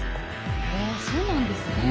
へえそうなんですね。